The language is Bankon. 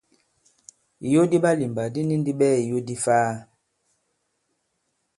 Ìyo di ɓalìmbà di ni ndi ɓɛɛ ìyo di ifaa.